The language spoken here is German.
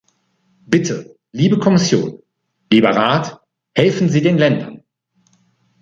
Bitte, liebe Kommission, lieber Rat, helfen Sie den Ländern!